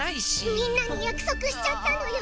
みんなにやくそくしちゃったのよ！